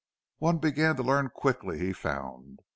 One began to learn quickly, he found.